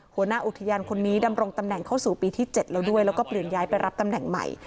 หัวหน้าอุทยานคนนี้ดำรงตำแหน่งเข้าสู่ปีที่๗แล้วด้วยแล้วก็เปลี่ยนย้ายไปรับตำแหน่งใหม่